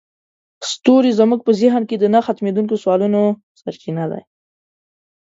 ستوري زموږ په ذهن کې د نه ختمیدونکي سوالونو سرچینه ده.